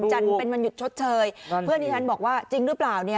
จันทร์เป็นวันหยุดชดเชยเพื่อนที่ฉันบอกว่าจริงหรือเปล่าเนี่ย